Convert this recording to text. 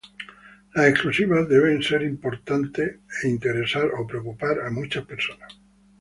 Las exclusivas deben ser importantes e interesar o preocupar a muchas personas.